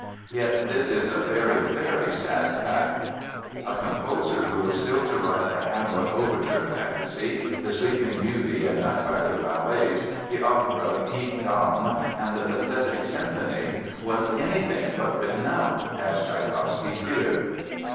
Yes, this is a very, very sad fact." A composer who was still to write the Hamlet overture fantasy, the Sleeping Beauty and Nutcracker ballets, the opera Pique Dame, and the Pathetic symphony, was anything but "written out," as Tschaikowsky feared!